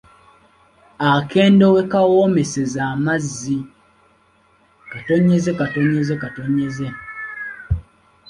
Akendo we kawoomeseza amazzi, ….